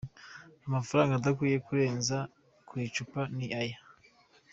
Amafaranga udakwiye kurenza ku icupa ni aya:.